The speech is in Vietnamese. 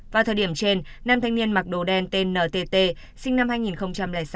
vào thời điểm trên nam thanh niên mặc đồ đen tên ntt sinh năm hai nghìn sáu